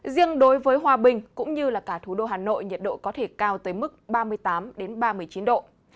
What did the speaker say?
riêng đối với hòa bình cũng như cả thủ đô hà nội nhiệt độ có thể cao tới mức ba mươi tám ba mươi chín độ